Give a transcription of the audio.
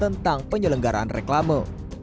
tentang penyelenggaraan reklama